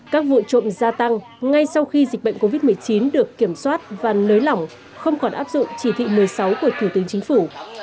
các vụ trộm gia tăng ngay sau khi dịch bệnh covid một mươi chín được kiểm soát và nới lỏng không còn áp dụng chỉ thị một mươi sáu của thủ tướng chính phủ